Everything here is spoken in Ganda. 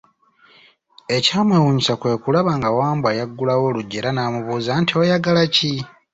Ekyamwewuunyisa kwe kulaba nga Wambwa y'aggulawo oluggi era n'amubuuza nti, oyagala ki?